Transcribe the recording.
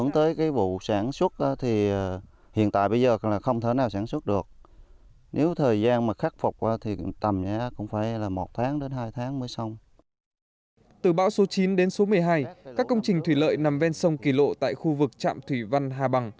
từ bão số chín đến số một mươi hai các công trình thủy lợi nằm ven sông kỳ lộ tại khu vực trạm thủy văn hà bằng